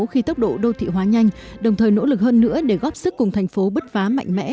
khi tốc độ đô thị hóa nhanh đồng thời nỗ lực hơn nữa để góp sức cùng thành phố bứt phá mạnh mẽ